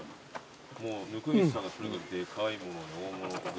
もう温水さんがとにかくでかいものを大物。